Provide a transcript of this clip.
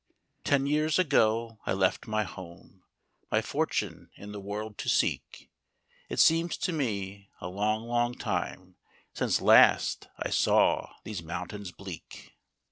Ten years ago I left my home My fortune in the world to ' seek ; It seems to me a long, long time Since last I saw these moun tains bleak.